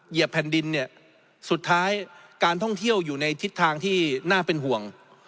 เหยียบแผ่นดินเนี่ยสุดท้ายการท่องเที่ยวอยู่ในทิศทางที่น่าเป็นห่วง